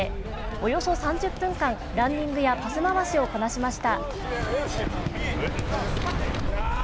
およそ３０分間、ランニングやパス回しをこなしました。